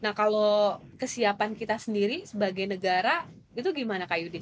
nah kalau kesiapan kita sendiri sebagai negara itu gimana kak yudin